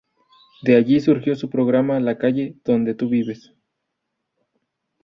De allí surgió su programa La calle donde tú vives.